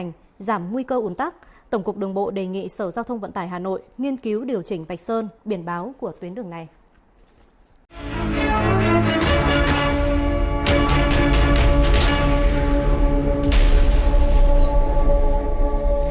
hãy đăng ký kênh để ủng hộ kênh của chúng mình nhé